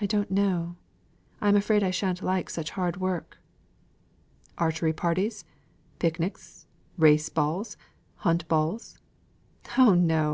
"I don't know. I am afraid I shan't like such hard work." "Archery parties pic nics race balls hunt balls?" "Oh no!"